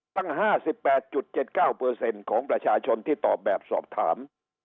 ตั้ง๕๘๗๙ของประชาชนที่ตอบแบบสอบถาม